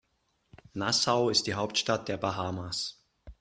Nassau ist die Hauptstadt der Bahamas.